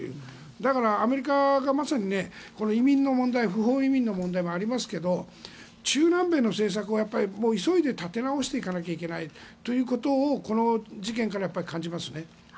だから、アメリカでまさに不法移民の問題も貧富の問題もありますけど中南米の政策を急いで立て直していかないといけないということをこの事件からは感じますよね。